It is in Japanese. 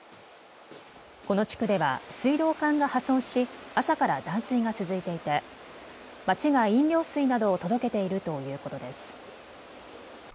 この地区では水道管が破損し朝から断水が続いていて町が飲料水などを届けているということです。